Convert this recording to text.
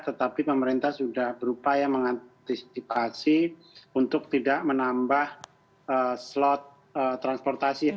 tetapi pemerintah sudah berupaya mengantisipasi untuk tidak menambah slot transportasi